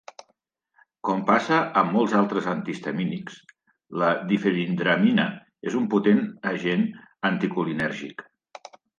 Com passa amb molts altres antihistamínics, la difenhidramina és un potent agent anticolinèrgic.